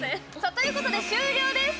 ということで終了です。